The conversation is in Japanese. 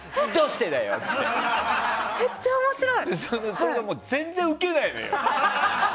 それが全然ウケないのよ。